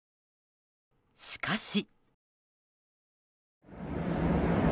しかし。